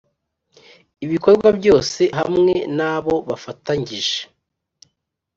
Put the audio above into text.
Ibikorwa byose hamwe n abo bafatangije